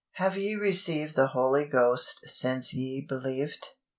"HAVE YE RECEIVED THE HOLY GHOST SINCE YE BELIEVED?"